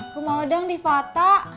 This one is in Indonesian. aku mau dong di foto